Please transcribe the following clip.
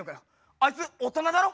あいつ大人だろ？